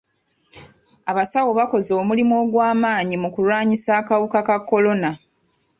Abasawo bakoze omulimu ogw'amaanyi mu kulwanyisa akawuka ka kolona.